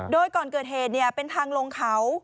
โดยก่อนเกิดเหตุเป็นทางลงเขา